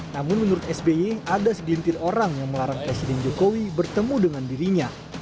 namun menurut sby ada segelintir orang yang melarang presiden jokowi bertemu dengan dirinya